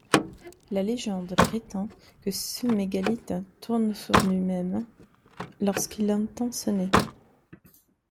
La légende prétend que ce mégalithe tourne sur lui-même lorsqu'il entend sonner.